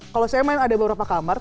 kalau saya main ada beberapa kamar